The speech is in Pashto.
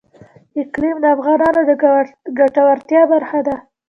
اقلیم د افغانانو د ګټورتیا برخه ده.